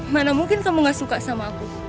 mana mungkin kamu gak suka sama aku